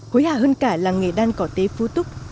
hối hả hơn cả làng nghề đan cỏ tế phú túc